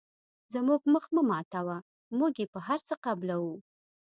زموږ مخ مه ماتوه موږ یې په هر څه قبلوو.